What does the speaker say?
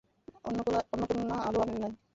অন্নপূর্ণা আলো আনেন নাই।